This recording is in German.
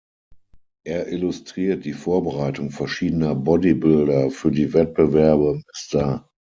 Er illustriert die Vorbereitung verschiedener Bodybuilder für die Wettbewerbe Mr.